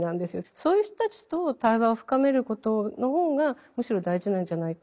そういう人たちと対話を深めることの方がむしろ大事なんじゃないか。